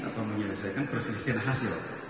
atau menyelesaikan perselisihan hasil